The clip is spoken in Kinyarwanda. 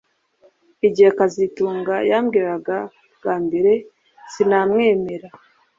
Igihe kazitunga yambwiraga bwa mbere sinamwemera